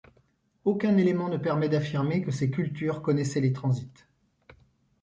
Aucun élément ne permet d'affirmer que ces cultures connaissaient les transits.